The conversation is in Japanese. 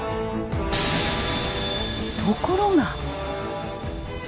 ところが。